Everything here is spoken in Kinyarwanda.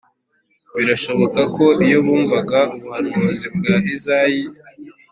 birashoboka ko iyo bumvaga ubuhanuzi bwa izayi